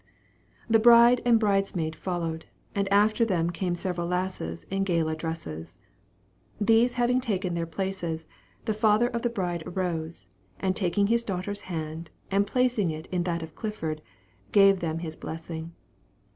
The bride and bridesmaid followed, and after them came several lasses in gala dresses. These having taken their places, the father of the bride arose, and taking his daughter's hand and placing it in that of Clifford, gave them his blessing.